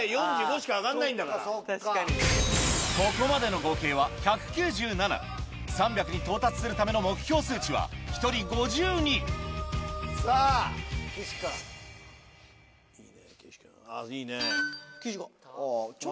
ここまでの合計は１９７３００に到達するための目標数値は１人５２さぁ岸君。